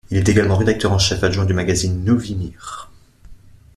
Il est également rédacteur en chef adjoint du magazine Novy Mir.